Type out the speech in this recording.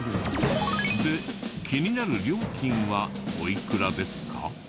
で気になる料金はおいくらですか？